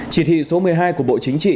chỉ thị số một mươi hai của bộ chính trị